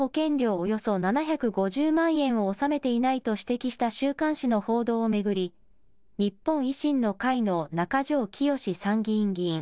およそ７５０万円を納めていないと指摘した週刊誌の報道を巡り、日本維新の会の中条きよし参議院議員。